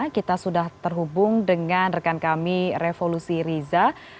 kita sudah terhubung dengan rekan kami revolusi riza